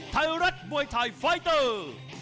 ไทยรัฐมวยไทยไฟเตอร์